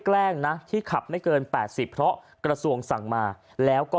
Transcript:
แกล้งนะที่ขับไม่เกิน๘๐เพราะกระทรวงสั่งมาแล้วก็